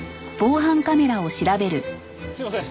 すいません。